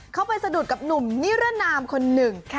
ไปสะดุดกับหนุ่มนิรนามคนหนึ่ง